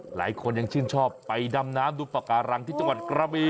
หลายคนยังชื่นชอบไปดำน้ำดูปากการังที่จังหวัดกระบี